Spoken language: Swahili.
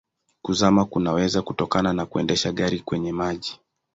Kuzama kunaweza kutokana na kuendesha gari kwenye maji.